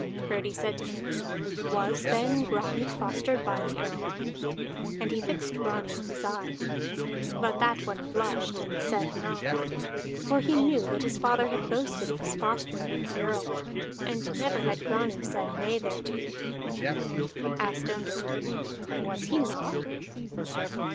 Frodi said to him: "Was then Grani fostered by the Earl?" And he fixed Grani with his eye; but that one blushed and said naught. For he knew that his father had boasted of his fostering with the Earl, and never had Grani said nay thereto. Asked Ondott, "Was he not?"